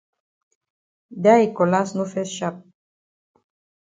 Dat yi cutlass no fes sharp.